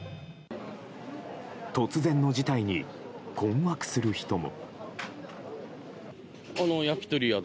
突然の事態に、困惑する人も。